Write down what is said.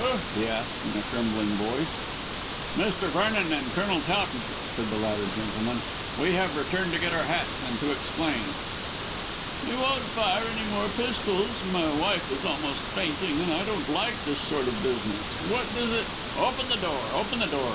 he asked in a trembling voice. "Mr. Vernon and Colonel Towton," said the latter gentleman; "we have returned to get our hats and to explain." "You won't fire any more pistols? My wife is almost fainting, and I don't like this sort of business. What does it " "Open the door, open the door!"